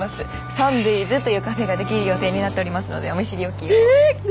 サンデイズというカフェができる予定になっておりますのでお見知り置きをええー？